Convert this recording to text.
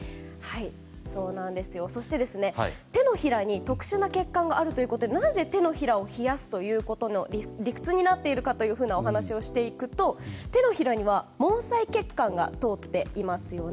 そして、手のひらに特殊な血管があるということでなぜ手のひらを冷やす理屈になっているかというと手のひらには毛細血管が通っていますよね。